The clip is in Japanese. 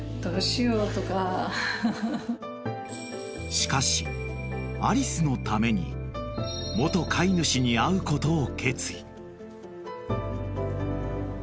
［しかしアリスのために元飼い主に会うことを決意］